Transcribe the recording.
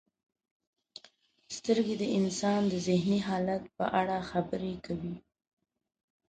• سترګې د انسان د ذهني حالت په اړه خبرې کوي.